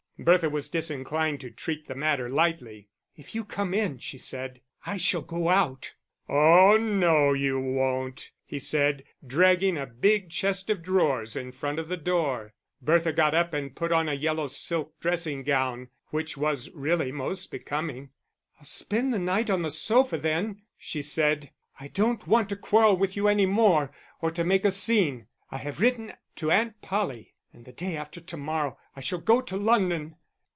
Bertha was disinclined to treat the matter lightly. "If you come in," she said, "I shall go out." "Oh no, you won't!" he said, dragging a big chest of drawers in front of the door. Bertha got up and put on a yellow silk dressing gown, which was really most becoming. "I'll spend the night on the sofa then," she said. "I don't want to quarrel with you any more or to make a scene. I have written to Aunt Polly, and the day after to morrow I shall go to London."